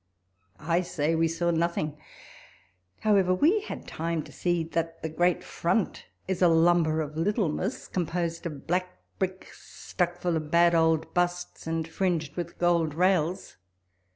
I say, we saw nothing. However, we had tirne to see that the great front is a lumber of littleness, composed of black brick, stuck full of bad old busts, and fringed with gold rails.